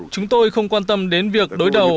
chúng tôi không quan tâm đến việc đối đầu